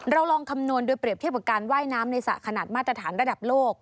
ลองคำนวณโดยเปรียบเทียบกับการว่ายน้ำในสระขนาดมาตรฐานระดับโลก